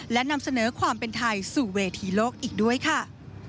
และนำเสนอความเป็นไทยสู่เวทีโลกอีกด้วยค่ะ